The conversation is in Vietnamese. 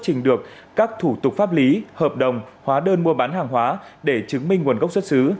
đoàn kiểm tra đã xuất trình được các thủ tục pháp lý hợp đồng hóa đơn mua bán hàng hóa để chứng minh nguồn gốc xuất xứ